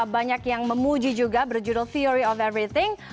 banyak yang memuji juga berjudul theory of everything